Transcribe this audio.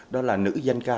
đó là nữ danh ca